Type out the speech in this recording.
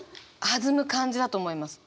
弾む感じだと思います。